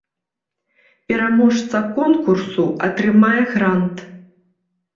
Пераможца конкурсу атрымае грант.